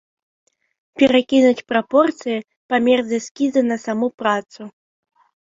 Перакінуць прапорцыі, памер з эскіза на саму працу.